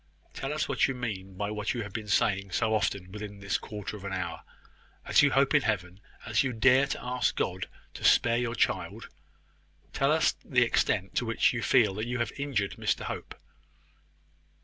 Tell us what you mean by what you have been saying so often within this quarter of an hour. As you hope in Heaven as you dare to ask God to spare your child, tell us the extent to which you feel that you have injured Mr Hope."